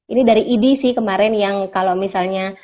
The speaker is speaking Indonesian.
ini dari idi sih kemarin yang kalau misalnya